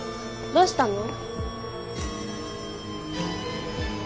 どうしたの？